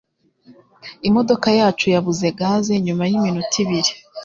Imodoka yacu yabuze gaze nyuma yiminota ibiri